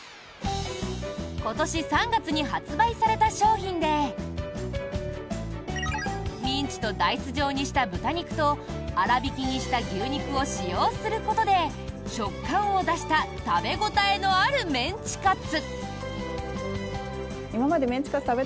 今年３月に発売された商品でミンチとダイス状にした豚肉とあらびきにした牛肉を使用することで食感を出した食べ応えのあるメンチカツ！